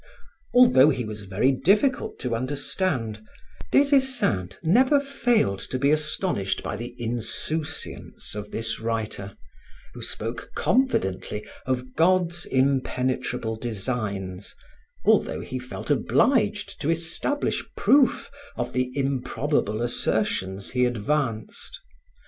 Although he was very difficult to understand, Des Esseintes never failed to be astonished by the insouciance of this writer, who spoke confidently of God's impenetrable designs, although he felt obliged to establish proof of the improbable assertions he advanced.